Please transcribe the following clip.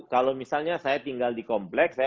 kalau misalnya saya tinggal di kompleks